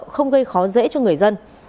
không gây khó dễ cho người dân